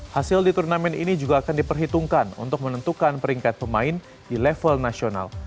hasil di turnamen ini juga akan diperhitungkan untuk menentukan peringkat pemain di level nasional